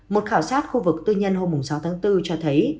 một khảo sát khu vực tư nhân hôm sáu tháng bốn cho thấy